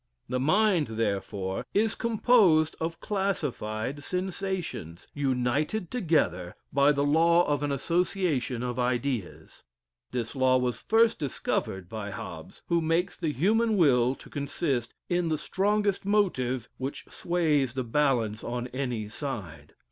The mind therefore is composed of classified sensations, united together by the law of an association of ideas. This law was first discovered by Hobbes, who makes the human will to consist in the strongest motive which sways the balance on any side.